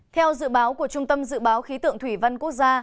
theo dự báo của trung tâm dự báo khí tượng thủy văn quốc gia